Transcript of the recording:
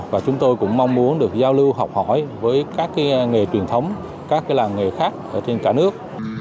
và chúng tôi cũng mong muốn được giao lưu học hỏi với các nghề truyền thống các làng nghề khác ở trên cả nước